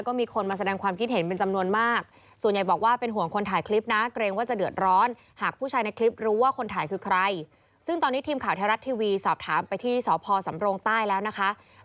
ก็มีคนมาแสดงความคิดเห็นเป็นจำนวนมาก